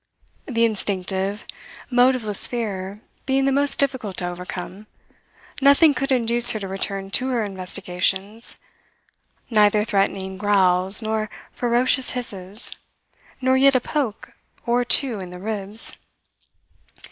The instinctive, motiveless fear being the most difficult to overcome, nothing could induce her to return to her investigations, neither threatening growls nor ferocious hisses, nor yet a poke or two in the ribs.